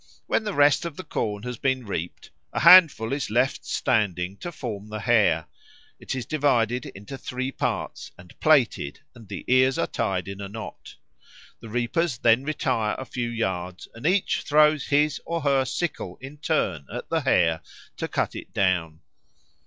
When the rest of the corn has been reaped, a handful is left standing to form the Hare. It is divided into three parts and plaited, and the ears are tied in a knot. The reapers then retire a few yards and each throws his or her sickle in turn at the Hare to cut it down.